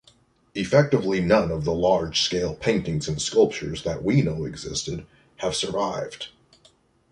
Effectively none of the large-scale paintings and sculptures that we know existed have survived.